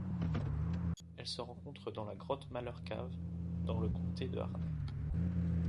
Elle se rencontre dans la grotte Malheur Cave dans le comté de Harney.